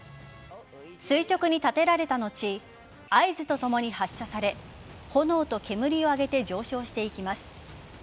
垂直に立てられた後合図とともに発射され炎と煙を上げて上昇していきます。